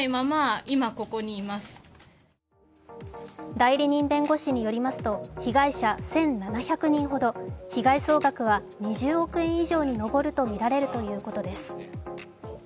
代理人弁護士によりますと被害者１７００人ほど被害総額は２０億円以上に上るとみられるということです。